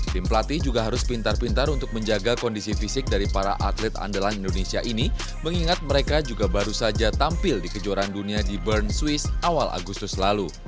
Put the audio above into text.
tim pelatih juga harus pintar pintar untuk menjaga kondisi fisik dari para atlet andalan indonesia ini mengingat mereka juga baru saja tampil di kejuaraan dunia di bern swiss awal agustus lalu